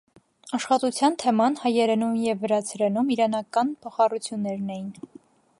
Աշխատության թեման հայերենում և վրացերենում իրանական փոխառություններն էին։